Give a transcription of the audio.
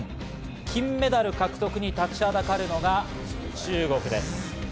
金メダル獲得に立ちはだかるのが中国です。